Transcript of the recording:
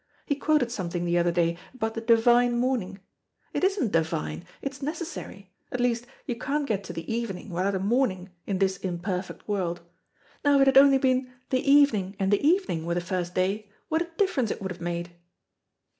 He quoted something the other day about the divine morning. It isn't divine, it is necessary; at least you can't get to the evening without a morning, in this imperfect world. Now if it had only been 'the evening and the evening were the first day,' what a difference it would have made."